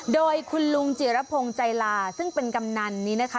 โดยคุณลุงจิรพงศ์ใจลาซึ่งเป็นกำนันนี้นะคะ